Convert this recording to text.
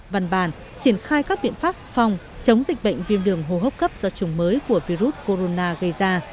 văn bàn triển khai các biện pháp phòng chống dịch bệnh viêm đường hô hấp cấp do chủng mới của virus corona gây ra